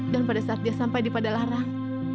dan pada saat dia sampai di pada larang